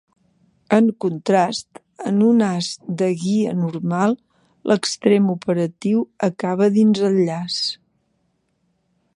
En contrast, en un as de guia normal l'extrem operatiu acaba dins el llaç.